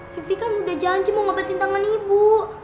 vivi kan udah janji mau ngebatin tangan ibu